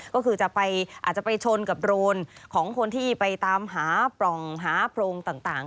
ก็คือจะไปอาจจะไปชนกับโรนของคนที่ไปตามหาปล่องหาโพรงต่าง